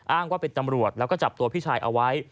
อ้างว่าเป็นตำรวจแล้วก็จับตัวพี่ชายเอาไว้